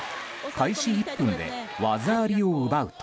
開始１分で技ありを奪うと。